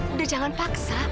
udah jangan paksa